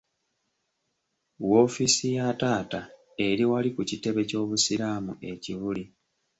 Woofiisi ya taata eri wali ku kitebe ky’Obusiraamu e Kibuli.